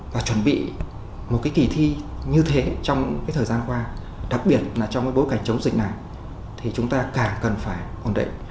và chuẩn bị một kỳ thi như thế trong thời gian qua đặc biệt trong bối cảnh chống dịch này thì chúng ta càng cần phải ổn định